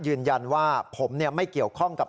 ยืนยันว่าผมไม่เกี่ยวข้องกับ